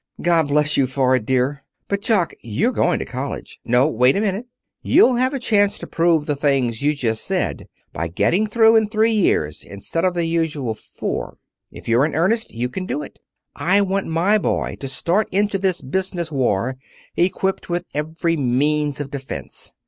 God bless you for it, dear. But, Jock, you're going to college. No wait a minute. You'll have a chance to prove the things you just said by getting through in three years instead of the usual four. If you're in earnest you can do it. I want my boy to start into this business war equipped with every means of defense.